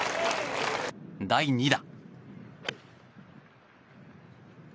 第２打。